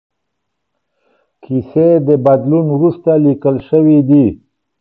کیسې د بدلون وروسته لیکل شوې دي.